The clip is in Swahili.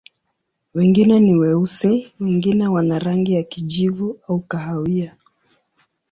Wengine ni weusi, wengine wana rangi ya kijivu au kahawia.